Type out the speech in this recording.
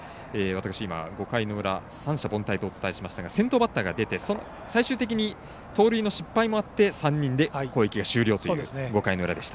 今、５回の裏三者凡退とお伝えしましたが先頭バッターが出て最終的に盗塁の失敗もあって攻撃が終了という５回の裏でした。